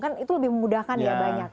kan itu lebih memudahkan dia banyak